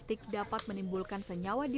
ini ya ciboleger